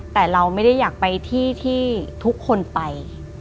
แต่เราไม่ได้อยากไปที่ที่ทุกคนไป